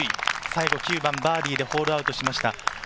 最後、９番バーディーでホールアウトしました。